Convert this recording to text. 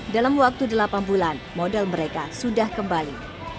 dalam waktu delapan bulan modal mereka sudah kembali